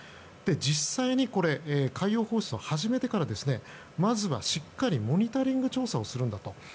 実際に、海洋放出を始めてからまずはしっかりモニタリング調査をするんだと。